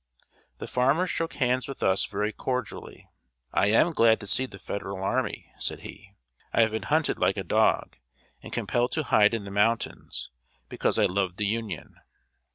The farmer shook hands with us very cordially. "I am glad to see the Federal army," said he; "I have been hunted like a dog, and compelled to hide in the mountains, because I loved the Union."